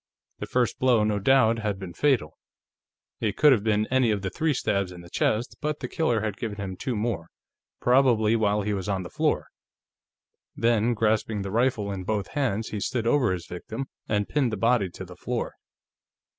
The first blow, no doubt, had been fatal it could have been any of the three stabs in the chest but the killer had given him two more, probably while he was on the floor. Then, grasping the rifle in both hands, he had stood over his victim and pinned the body to the floor.